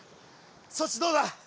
そっちどうだ？